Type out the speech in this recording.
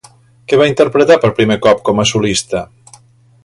Què va interpretar per primer cop com a solista?